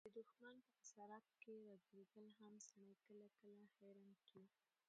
د دښمن په اسارت کښي راګیرېدل هم سړى کله – کله حيران کي.